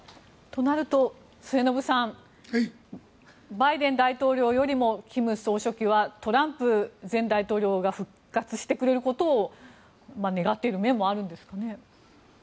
となると、末延さんバイデン大統領よりも金総書記はトランプ前大統領が復活してくれることを願っている面もあるんですかね。